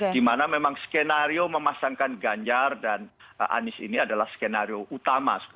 di mana memang skenario memasangkan ganjar dan anies ini adalah skenario utama